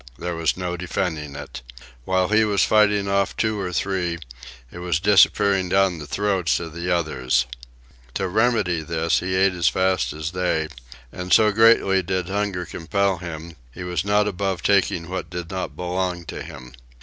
There was no defending it. While he was fighting off two or three, it was disappearing down the throats of the others. To remedy this, he ate as fast as they; and, so greatly did hunger compel him, he was not above taking what did not belong to him.